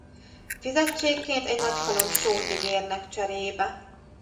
Fizetségként egy nagy halom sót ígérnek cserébe.